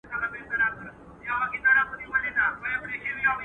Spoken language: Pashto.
مرستيال ښوونکی څنګه د زده کوونکو کار څاري؟